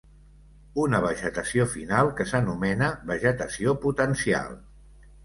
Una vegetació final que s'anomena vegetació potencial.